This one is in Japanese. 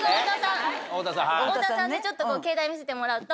太田さんでちょっとケータイ見せてもらうと。